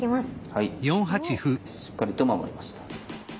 はいしっかりと守りました。